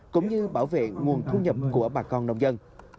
cũng như bảo vệ nguồn thu nhập của bà con nông dân